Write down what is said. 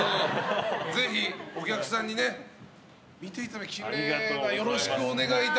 ぜひ、お客さんにね見ていただいて。